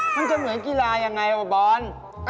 เปรียบเสมือนกีฬาอย่างไรบอล